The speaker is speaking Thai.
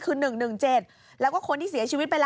คือ๑๑๗แล้วก็คนที่เสียชีวิตไปแล้ว